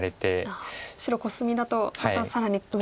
白コスミだとまた更に上に。